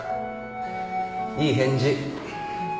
いい返事。